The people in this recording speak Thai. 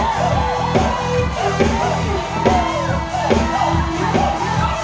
ตั้งดันตั้งดัน